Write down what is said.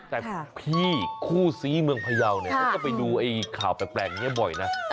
แต่พี่คู่ซี้เมืองพยาวเนี่ยเขาก็ไปดูข่าวแปลกนี้บ่อยนะ